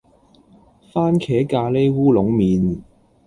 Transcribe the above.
番茄咖哩烏龍麵